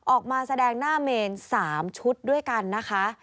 ออกมาแสดงหน้าเมน๓ชุดด้วยกันนะคะ